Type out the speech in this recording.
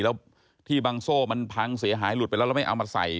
แล้วที่บางโซ่มันพังเสียหายหลุดไปแล้วแล้วไม่เอามาใส่